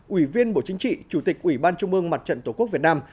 ủy viên bộ chính trị chủ tịch ủy ban trung mương mặt trận tổ quốc việt nam